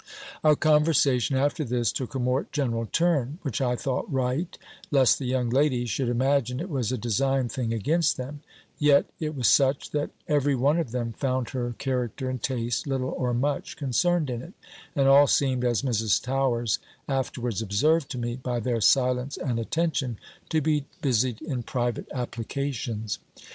Our conversation, after this, took a more general turn; which I thought right, lest the young ladies should imagine it was a designed thing against them: yet it was such, that every one of them found her character and taste, little or much, concerned in it; and all seemed, as Mrs. Towers afterwards observed to me, by their silence and attention, to be busied in private applications.